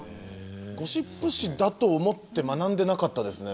ゴシップ誌だと思って学んでなかったですね。